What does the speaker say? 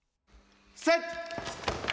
セット！